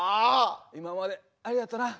「今までありがとな」。